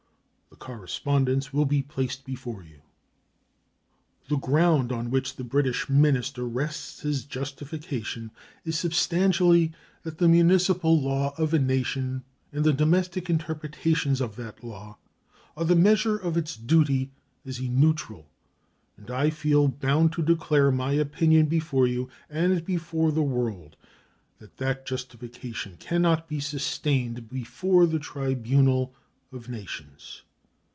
The correspondence will be placed before you. The ground on which the British minister rests his justification is, substantially, that the municipal law of a nation and the domestic interpretations of that law are the measure of its duty as a neutral, and I feel bound to declare my opinion before you and before the world that that justification can not be sustained before the tribunal of nations.